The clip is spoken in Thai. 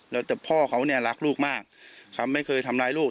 แล้วแต่พ่อเขาเนี่ยรักลูกมากเขาไม่เคยทำร้ายลูก